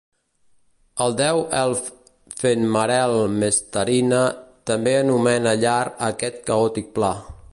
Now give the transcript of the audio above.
El deu elf Fenmarel Mestarine també anomena llar a aquest caòtic pla.